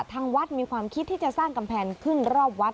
ทางวัดมีความคิดที่จะสร้างกำแพงขึ้นรอบวัด